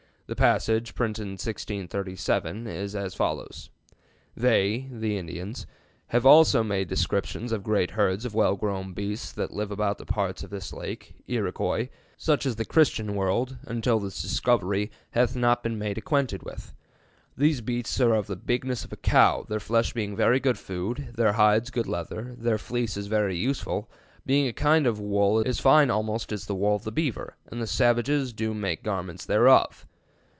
The passage, printed in 1637 is as follows: They [the Indians] have also made descriptions of great heards of well growne beasts that live about the parts of this lake [Erocoise] such as the Christian world (untill this discovery) hath not bin made acquainted with. These Beasts are of the bignesse of a Cowe, their flesh being very good foode, their hides good lether, their fleeces very usefull, being a kinde of wolle as fine almost as the wolle of the Beaver, and the Salvages doe make garments thereof.